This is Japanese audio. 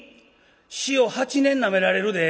塩８年なめられるで」。